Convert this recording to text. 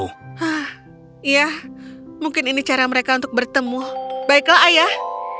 hah ya mungkin ini cara mereka untuk bertemu baiklah ayah